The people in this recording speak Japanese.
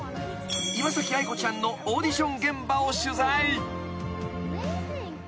［岩愛子ちゃんのオーディション現場を取材］